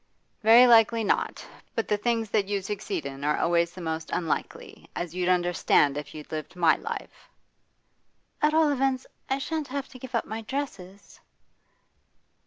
'Very likely not. But the things that you succeed in are always the most unlikely, as you'd understand if you'd lived my life.' 'At all events, I shan't have to give up my dresses?